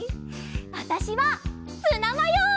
わたしはツナマヨ！